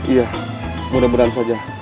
iya mudah berang saja